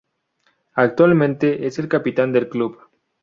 Actualmente es el capitán del club.